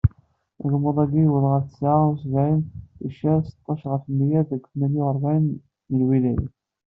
Agemmuḍ-agi yewweḍ ɣer tesεa u sebεin ticcer seṭṭac ɣef mya deg tmanya u rebεin n lwilayat.